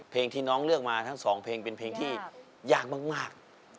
เพลงที่น้องเลือกมาทั้งสองเพลงเป็นเพลงที่ยากมาก